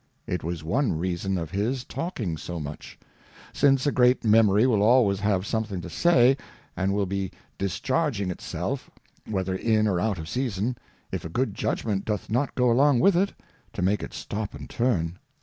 It was one Reason of his talking so much ; since a great Memory will always have something to say, and will be discharging itself, whether in or out of Season, if a good Judgment doth not go along with it, to make it stop and turn.